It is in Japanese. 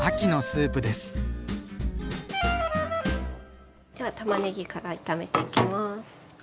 ではたまねぎから炒めていきます。